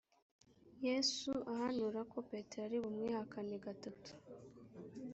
yesu ahanura ko petero ari bumwihakane gatatu